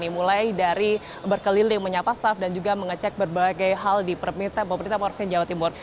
mulai dari berkeliling menyapa staff dan juga mengecek berbagai hal di permit tempor permit tempor vian jawa timur